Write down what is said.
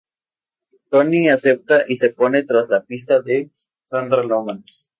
Tony acepta, y se pone tras la pista de Sandra Lomax.